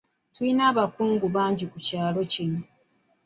Tulina abakungu bangi ku kyalo kino.